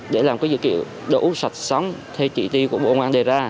để làm cái dữ liệu đủ sạch sống theo trị tiêu của bộ ngoan đề ra